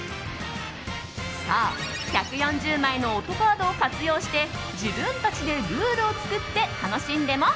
そう、１４０枚の音カードを活用して自分たちでルールを作って楽しんでもＯＫ。